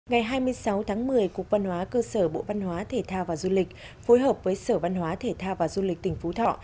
ngày hai mươi sáu tháng một mươi cục văn hóa cơ sở bộ văn hóa thể thao và du lịch phối hợp với sở văn hóa thể thao và du lịch tỉnh phú thọ